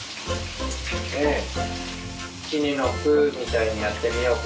いちにのぷみたいにやってみようか。